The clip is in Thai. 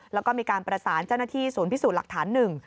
แล้วก็มีการประสานเจ้าหน้าที่ศูนย์พิสูจน์หลักฐานหนึ่ง